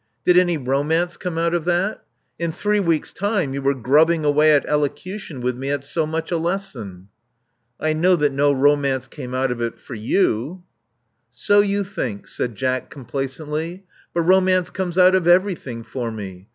Did any romance come out of that? In three weeks, time you were grubbing away at elocution with me at so much a lesson." I know that no romance came out of it — ^for you. So you think,*' said Jack complacently; but romance comes out of everything for me.